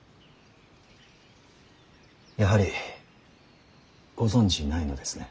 やはりご存じないのですね。